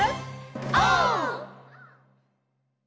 オー！